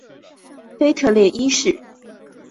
腓特烈一世。